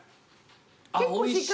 あぁおいしい。